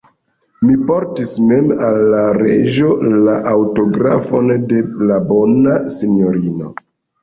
Mi portis mem al la reĝo la aŭtografon de la bona sinjorino.